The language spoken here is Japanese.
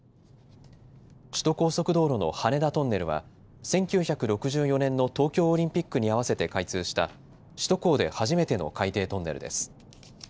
首都高速道路の羽田トンネルは１９６４年の東京オリンピックに合わせて開通した首都高で初めての海底トンネルです。